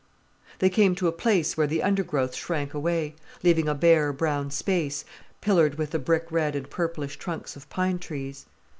They came to a place where the undergrowth shrank away, leaving a bare, brown space, pillared with the brick red and purplish trunks of pine trees.